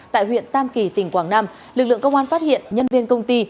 tại huyện tam kỳ tỉnh quảng nam lực lượng công an phát hiện nhân viên công ty